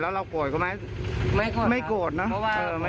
แล้วเราโกรธเขาไหมไม่โกรธค่ะมันพักตัวผิดเองไง